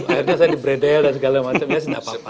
akhirnya saya dibredel dan segala macam ya sih nggak apa apa